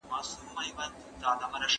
احمد پرون له ما سره خبري وکړې.